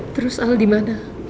terus al di mana